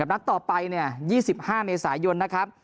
กับนักต่อไปเนี้ยยี่สิบห้าเมษายนนะครับ